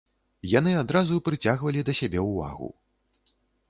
Яны адразу прыцягвалі да сябе ўвагу.